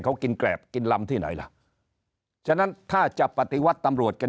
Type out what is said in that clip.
เขากินแกรบกินลำที่ไหนล่ะฉะนั้นถ้าจะปฏิวัติตำรวจกัน